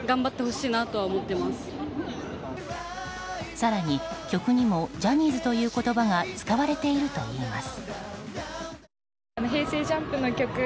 更に曲にもジャニーズという言葉が使われているといいます。